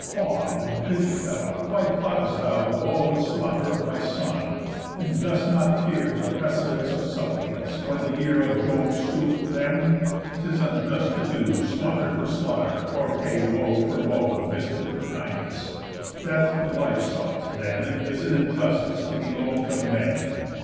Fond, busy fellow, why plott'st thou the woe And slaughter of my son, and dost not fear The presidents of suppliants, when the ear Of Jove stoops to them? 'Tis unjust to do Slaughter for slaughter, or pay woe for woe, Mischief for kindness. Death for life sought, then, Is an injustice to be loath'd of men.